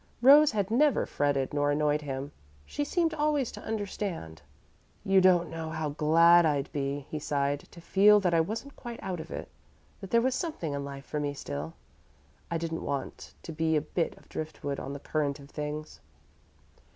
Rose had never fretted nor annoyed him; she seemed always to understand. "You don't know how glad I'd be," he sighed, "to feel that I wasn't quite out of it that there was something in life for me still. I didn't want to be a bit of driftwood on the current of things."